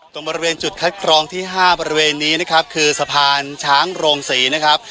ตรงบริเวณจุดคัดกรองที่๕บริเวณนี้นะครับคือสะพานช้างโรงศรีนะครับ